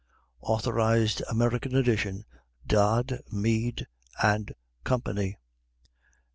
Authorized American Edition, Dodd, Mead and Company.